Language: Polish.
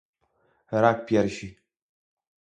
Rak piersi